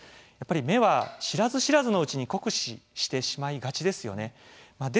目は知らず知らずのうちに酷使してしまいがちですよね。